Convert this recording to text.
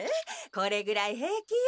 これぐらい平気よ。